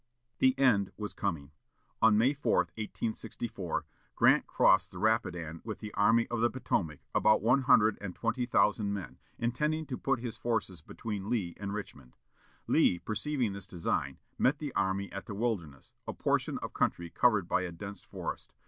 The end was coming. On May 4, 1864, Grant crossed the Rapidan with the Army of the Potomac, about one hundred and twenty thousand men, intending to put his forces between Lee and Richmond. Lee, perceiving this design, met the army at the Wilderness, a portion of country covered by a dense forest.